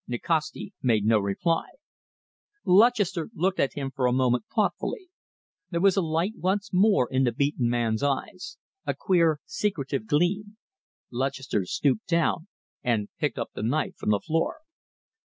Nikasti made no reply. Lutchester looked at him for a moment thoughtfully. There was a light once more in the beaten man's eyes a queer, secretive gleam. Lutchester stooped down and picked up the knife from the floor.